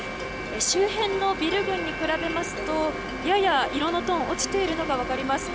周辺のビル群に比べますとやや色のトーンが落ちているのが分かります。